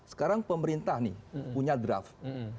sekarang pemerintah nih punya draft